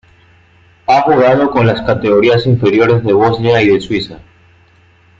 Ha jugado con las categorías inferiores de Bosnia y de Suiza.